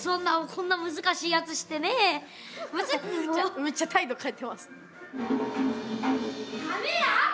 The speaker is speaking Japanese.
めっちゃ態度変えてます。